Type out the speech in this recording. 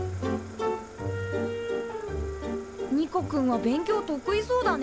ニコくんは勉強得意そうだね。